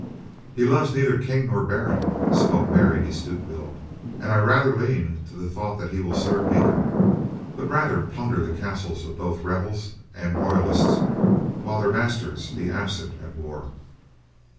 "He loves neither King nor baron," spoke Mary de Stutevill, "and I rather lean to the thought that he will serve neither, but rather plunder the castles of both rebel and royalist whilst their masters be absent at war."